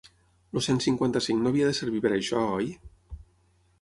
El cent cinquanta-cinc no havia de servir per això, oi?